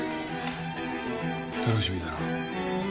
楽しみだな。